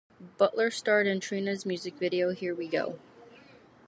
Butler starred in Trina's music video "Here We Go".